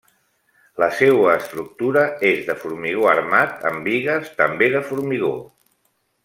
La seua estructura és de formigó armat amb bigues també de formigó.